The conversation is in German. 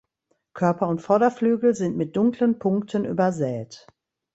Körper und Vorderflügel sind mit dunklen Punkten übersät.